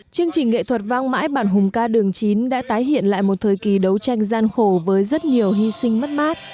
chương trình nghệ thuật vang mãi bản hùng ca đường chín đã tái hiện lại một thời kỳ đấu tranh gian khổ với rất nhiều hy sinh mất mát